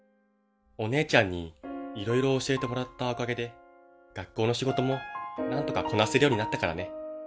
お姉ちゃんにいろいろ教えてもらったおかげで学校の仕事もなんとかこなせるようになったからね。